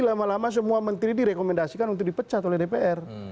lama lama semua menteri direkomendasikan untuk dipecat oleh dpr